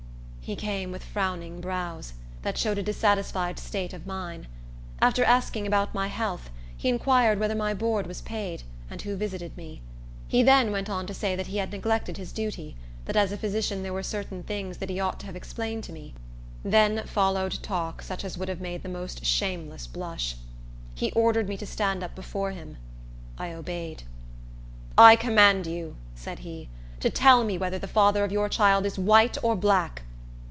He came with frowning brows, that showed a dissatisfied state of mind. After asking about my health, he inquired whether my board was paid, and who visited me. He then went on to say that he had neglected his duty; that as a physician there were certain things that he ought to have explained to me. Then followed talk such as would have made the most shameless blush. He ordered me to stand up before him. I obeyed. "I command you," said he, "to tell me whether the father of your child is white or black."